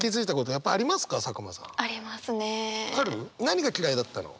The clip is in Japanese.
何が嫌いだったの？